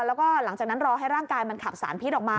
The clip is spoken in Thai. แล้วก็หลังจากนั้นรอให้ร่างกายมันขับสารพิษออกมา